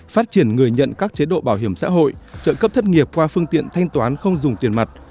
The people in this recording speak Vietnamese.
phát triển người nhận các chế độ bảo hiểm xã hội trợ cấp thất nghiệp qua phương tiện thanh toán không dùng tiền mặt